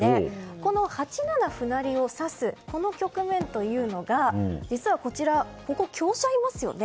この８七歩成を指す局面というのが実はここに香車がいますね。